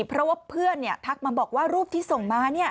เพราะว่าเพื่อนทักมาบอกว่ารูปที่ส่งมา